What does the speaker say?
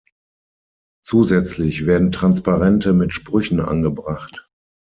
Zusätzlich werden Transparente mit Sprüchen angebracht.